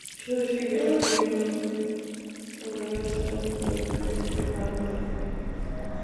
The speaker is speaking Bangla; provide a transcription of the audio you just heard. শশী বিরক্ত হইয়া বলে, তোমার কাছে অত কৈফিয়ত দিতে পারব না বৌ।